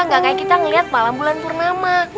gak kayak kita ngeliat malam bulan purnama